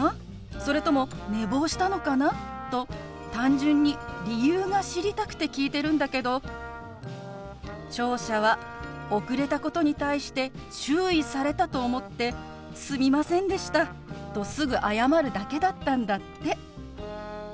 それとも寝坊したのかな？」と単純に理由が知りたくて聞いてるんだけど聴者は遅れたことに対して注意されたと思って「すみませんでした」とすぐ謝るだけだったんだって。